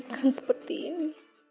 mengerikan seperti ini